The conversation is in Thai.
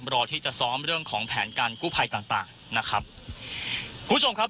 รอที่จะซ้อมเรื่องของแผนการกู้ภัยต่างต่างนะครับคุณผู้ชมครับ